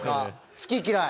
好き嫌い。